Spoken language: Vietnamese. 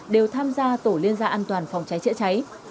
đều tham gia tổ liên gia an toàn phòng cháy chữa cháy